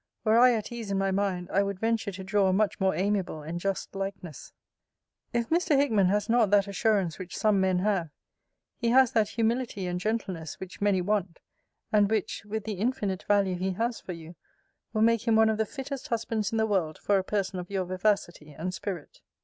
Were I at ease in my mind, I would venture to draw a much more amiable and just likeness. If Mr. Hickman has not that assurance which some men have, he has that humility and gentleness which many want: and which, with the infinite value he has for you, will make him one of the fittest husbands in the world for a person of your vivacity and spirit.